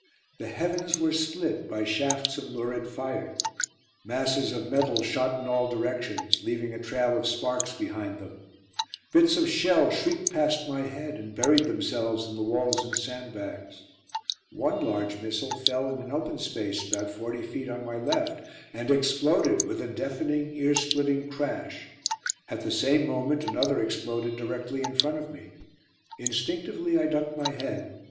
The heavens were split by shafts of lurid fire. Masses of metal shot in all directions, leaving a trail of sparks behind them; bits of shell shrieked past my head and buried themselves in the walls and sandbags. One large missile fell in an open space about forty feet on my left, and exploded with a deafening, ear splitting crash. At the same moment another exploded directly in front of me. Instinctively I ducked my head.